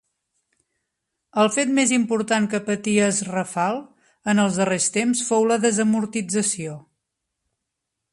El fet més important que patí es Rafal en els darrers temps fou la desamortització.